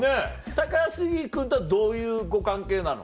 高杉君とはどういうご関係なの？